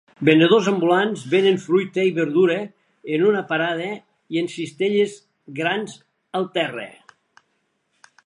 Venedors ambulants venen fruita i verdures en una parada i en cistelles grans al terra.